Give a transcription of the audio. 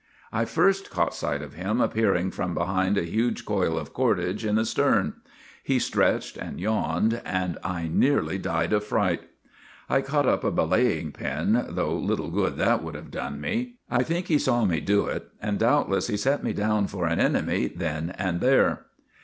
" I first caught sight of him appearing from behind a huge coil of cordage in the stern. He stretched and yawned, and I nearly died of fright. " I caught up a belay ing pin, though little good that would have done me. I think he saw me do it, and doubtless he set me down for an enemy then and there.